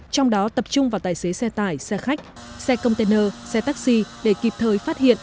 trong đó tập trung vào tài xế xe tải xe khách xe container xe taxi để kịp thời phát hiện